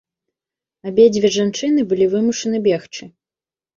Абедзве жанчыны былі вымушаны бегчы.